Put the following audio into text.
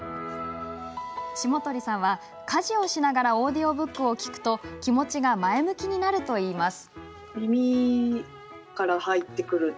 下鳥さんは、家事をしながらオーディオブックを聞くと気持ちが前向きになるといいます。